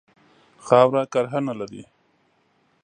خاوره کرهڼه لري.